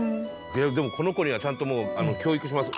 でもこの子にはちゃんともう教育します。